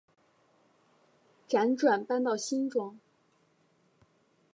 辗转搬到新庄